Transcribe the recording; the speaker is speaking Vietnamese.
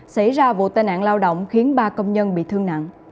xảy ra vụ tai nạn lao động khiến ba công nhân bị thương nặng